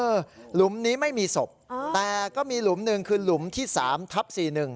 หลุมนี้ไม่มีศพแต่ก็มีหลุมหนึ่งคือหลุมที่๓ทับ๔๑